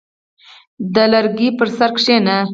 • د لرګي پر سر کښېنه.